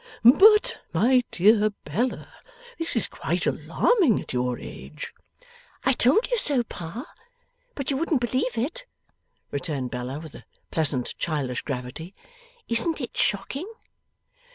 'But, my dear Bella, this is quite alarming at your age.' 'I told you so, Pa, but you wouldn't believe it,' returned Bella, with a pleasant childish gravity. 'Isn't it shocking?